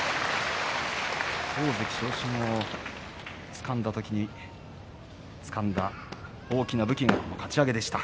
大関昇進をつかんだ時につかんだ大きな武器がかち上げでした。